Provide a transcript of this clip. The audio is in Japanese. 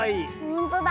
ほんとだ。